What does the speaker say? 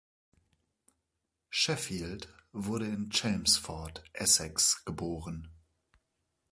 Sheffield wurde in Chelmsford, Essex, geboren.